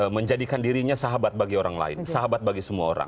menjadikan dirinya sahabat bagi orang lain sahabat bagi semua orang